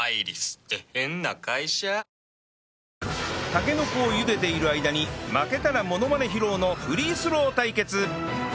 たけのこを茹でている間に負けたらモノマネ披露のフリースロー対決